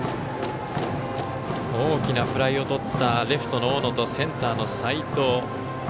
大きなフライをとったレフトの大野とセンターの齋藤。